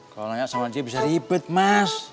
kalau nanya sama dia bisa ribet mas